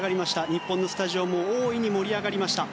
日本のスタジオも大いに盛り上がりました。